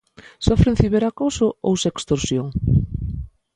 Sofren ciberacoso ou sextorsión?